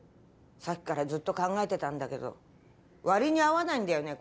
さっきからずっと考えてたんだけど割に合わないんだよね